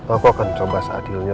aku akan coba seadilnya